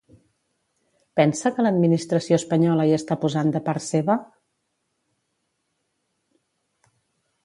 Pensa que l'administració espanyola hi està posant de part seva?